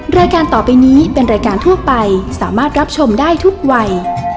รายการต่อไปนี้เป็นรายการทั่วไปสามารถรับชมได้ทุกวัย